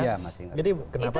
iya masih ingat